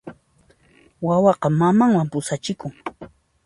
Wawaqa mamanwan pusachikun.